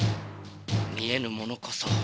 見えぬものこそ。